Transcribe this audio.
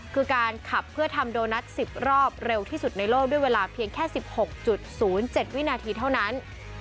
คือการขับเพื่อทำโดนัทสิบรอบเร็วที่สุดในโลกด้วยเวลาเพียงแค่สิบหกจุดศูนย์เจ็ดวินาทีเท่านั้น